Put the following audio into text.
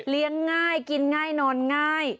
ง่ายกินง่ายนอนง่าย